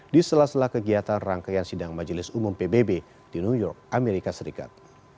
di sela sela kegiatan rangkaian sidang majelis umum pbb di new york amerika serikat